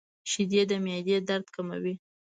• شیدې د معدې درد کموي.